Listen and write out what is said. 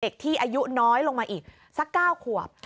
เด็กที่อายุน้อยลงมาอีกสัก๙ขวบ